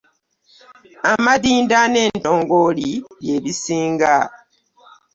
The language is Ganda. Amadinda n'entongooli bye bisinga.